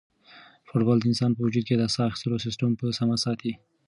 فوټبال د انسان په وجود کې د ساه اخیستلو سیسټم په سمه ساتي.